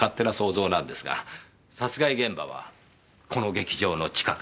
殺害現場はこの劇場の近く。